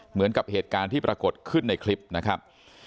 เหมือนกับเหตุการณ์ที่ปรากฏขึ้นในคลิปนะครับ